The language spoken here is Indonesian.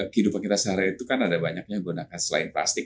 kehidupan kita sehari itu kan ada banyaknya gunakan selain plastik